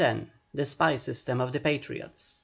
THE SPY SYSTEM OF THE PATRIOTS.